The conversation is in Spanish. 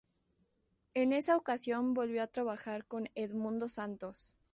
En esa ocasión volvió a trabajar con Edmundo Santos.